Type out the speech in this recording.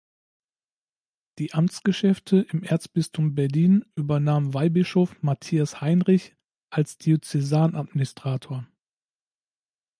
Die Amtsgeschäfte im Erzbistum Berlin übernahm Weihbischof Matthias Heinrich als Diözesanadministrator.